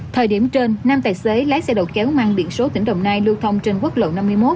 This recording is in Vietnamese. thời điểm trên năm tài xế lái xe đầu kéo mang biển số tỉnh đồng nai lưu thông trên quốc lộ năm mươi một